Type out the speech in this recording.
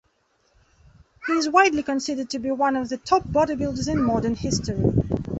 He is widely considered to be one of the top bodybuilders in modern history.